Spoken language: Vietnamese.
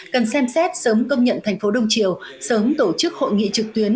cần xem xét sớm công nhận thành phố đông triều sớm tổ chức hội nghị trực tuyến